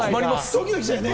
ドキドキしちゃうよね。